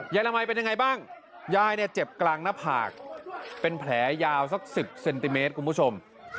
ละมัยเป็นยังไงบ้างยายเนี่ยเจ็บกลางหน้าผากเป็นแผลยาวสัก๑๐เซนติเมตรคุณผู้ชม